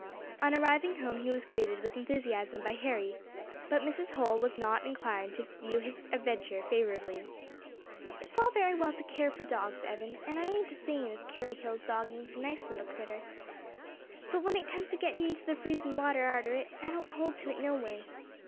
On arriving home he was greeted with enthusiasm by Harry, but Mrs. Holl was not inclined to view his adventure favourably. "It's all very well to care for dogs, Evan, and I ain't a saying as Carrie Hill's dog ain't a nice little critter; but when it comes to getting into the freezing water arter it, I don't hold to it no way.